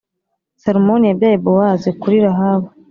Salumoni yabyaye Bowazi kuri Rahabu